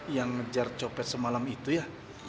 yang ngejar copet semalam itu ya